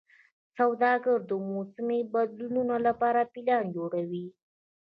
سوداګر د موسمي بدلونونو لپاره پلان جوړوي.